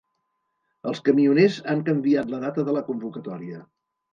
Els camioners han canviat la data de la convocatòria